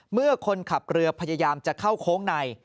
เมื่อคนขับเรือพยายามจะเข้าโค้งใน